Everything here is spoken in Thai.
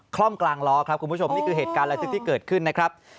ร่องกลางล้อครับคุณผู้ชมนี่คือเหตุการณ์ระทึกที่เกิดขึ้นนะครับ